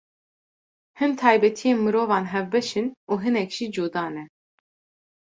Hin taybetiyên mirovan hevbeş in û hinek jî cuda ne.